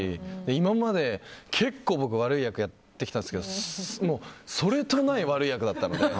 今まで結構僕悪い役やってきたんですけどそれとない悪い役だったので。